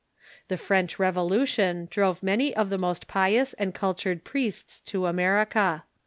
The French Revolution drove many of the most pious and cultured priests to America.